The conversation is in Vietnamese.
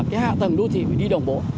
cái hạ tầng đô thị phải đi đồng bộ